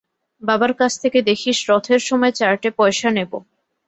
বাবার কাছ থেকে দেখিস রথের সময় চারটে পয়সা নেবো।